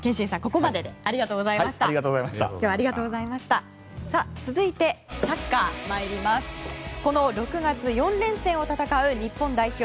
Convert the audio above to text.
この６月４連戦を戦う日本代表。